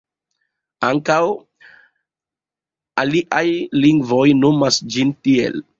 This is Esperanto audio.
Ankaŭ aliaj lingvoj nomas ĝin tiel.